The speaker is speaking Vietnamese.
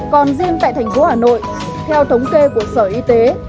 còn riêng tại thành phố hà nội theo thống kê của sở y tế